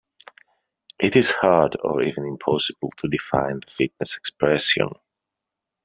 It is hard or even impossible to define the fitness expression.